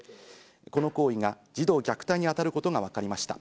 この行為が児童虐待にあたることがわかりました。